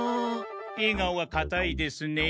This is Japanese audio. えがおがかたいですね。